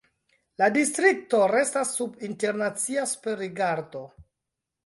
La distrikto restas sub internacia superrigardo.